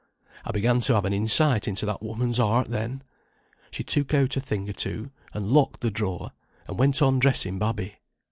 I began to have an insight into that woman's heart then. She took out a thing or two; and locked the drawer, and went on dressing babby.